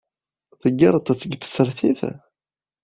Teggareḍ-tt deg tsertit?